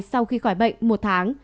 sau khi khỏi bệnh một tháng